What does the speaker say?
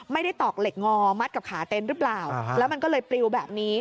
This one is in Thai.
ตอกเหล็กงอมัดกับขาเต็นต์หรือเปล่าแล้วมันก็เลยปลิวแบบนี้